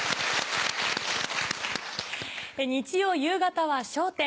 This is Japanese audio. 日曜夕方は『笑点』。